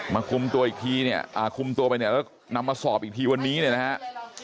คุมตัวอีกทีเนี่ยคุมตัวไปเนี่ยแล้วนำมาสอบอีกทีวันนี้เนี่ยนะฮะ